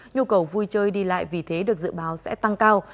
nhu cầu vui chơi đi lại vì thế được dự báo sẽ tăng cao